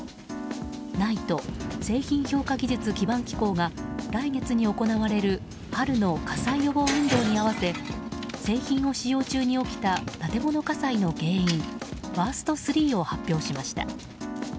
ＮＩＴＥ・製品評価技術基盤機構が来月に行われる春の火災予防運動に合わせ製品を使用中に起きた建物火災の原因ワースト３を発表しました。